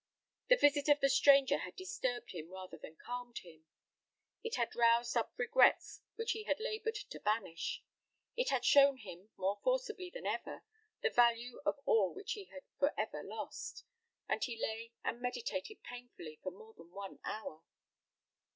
The visit of the stranger had disturbed rather than calmed him; it had roused up regrets which he had laboured to banish; it had shown him, more forcibly than ever, the value of all which he had for ever lost, and he lay and meditated painfully for more than one hour.